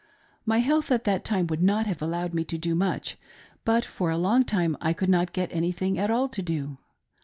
My health at that time would not have allowed me to do much, but for a long tijtne I could not get anything at all to do.